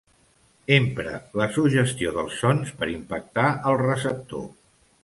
Empre la suggestió dels sons per impactar el receptor.